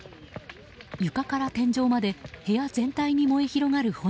床から天井まで部屋全体に燃え広がる炎。